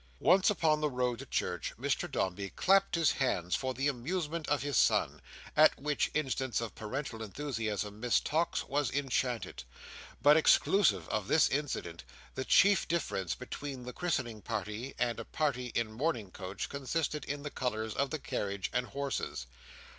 Once upon the road to church, Mr Dombey clapped his hands for the amusement of his son. At which instance of parental enthusiasm Miss Tox was enchanted. But exclusive of this incident, the chief difference between the christening party and a party in a mourning coach consisted in the colours of the carriage and horses.